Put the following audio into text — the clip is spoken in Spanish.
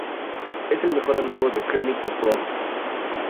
Es el mejor amigo de Kermit the Frog.